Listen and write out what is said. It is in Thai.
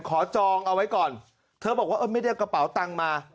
จองเอาไว้ก่อนเธอบอกว่าเออไม่ได้กระเป๋าตังค์มา